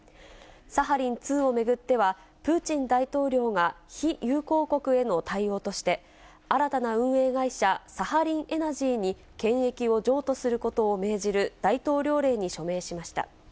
サハリン２を巡っては、プーチン大統領が非友好国への対応として、新たな運営会社、サハリン・エナジーに権益を譲渡することを命じる大統領令に署名しました。